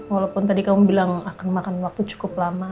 walaupun tadi kamu bilang akan memakan waktu cukup lama